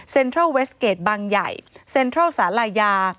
เทิลเวสเกจบางใหญ่เซ็นทรัลสาลายา